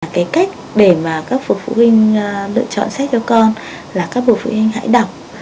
cái cách để mà các phụ huynh lựa chọn sách cho con là các bậc phụ huynh hãy đọc